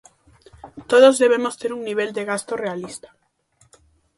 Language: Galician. Todos debemos ter un nivel de gasto realista.